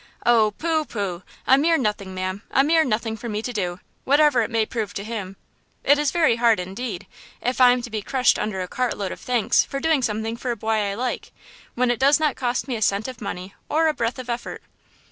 "Oh, pooh, pooh! a mere nothing, ma'am! a mere nothing for me to do, whatever it may prove to him. It is very hard, indeed, if I am to be crushed under a cart load of thanks for doing something for a boy I like, when it does not cost me a cent of money or a breath of effort!"